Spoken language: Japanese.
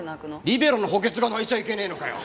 リベロの補欠が泣いちゃいけねえのかよ。